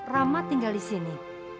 rama tinggal disini